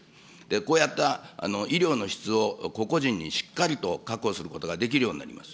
こうやった医療の質を個々人にしっかりと確保することができるようになります。